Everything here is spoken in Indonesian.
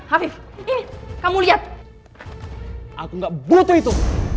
afif ini kamu lihat aku nggak butuh itu